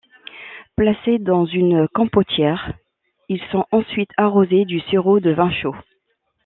Placées dans une compotière, ils sont ensuite arrosés du sirop de vin chaud.